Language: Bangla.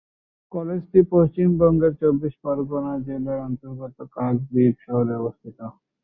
কলেজটি পশ্চিমবঙ্গের দক্ষিণ চব্বিশ পরগনা জেলার অন্তর্গত কাকদ্বীপ শহরে অবস্থিত।